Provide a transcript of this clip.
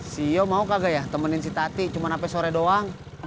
si yo mau kagak ya temenin si tati cuman sampe sore doang